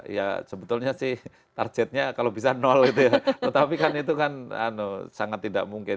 ya sebetulnya sih targetnya kalau bisa nol gitu ya tetapi kan itu kan sangat tidak mungkin